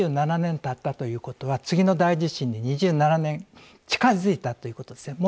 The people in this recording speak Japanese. ２７年たったということは次の大地震で２７年近づいたということです。